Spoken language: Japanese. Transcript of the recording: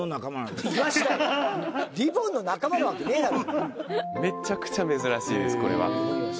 リボンの仲間なわけねえだろう